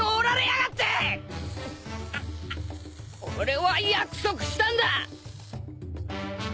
俺は約束したんだ。